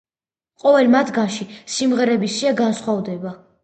ყოველ მათგანში სიმღერების სია განსხვავდება.